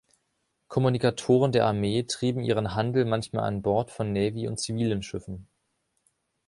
Kommunikatoren der Armee trieben ihren Handel manchmal an Bord von Navy- und zivilen Schiffen.